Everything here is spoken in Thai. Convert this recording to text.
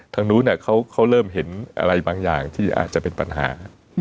ทางนู้นเขาเริ่มเห็นอะไรบางอย่างที่อาจจะเป็นปัญหา